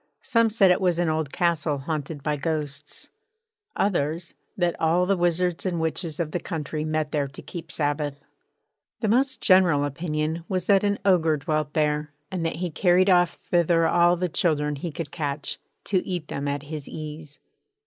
Some said it was an old castle haunted by ghosts. Others, that all the wizards and witches of the country met there to keep Sabbath. The most general opinion was that an Ogre dwelt there, and that he carried off thither all the children he could catch, to eat them at his ease.